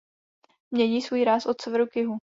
Mění svůj ráz od severu k jihu.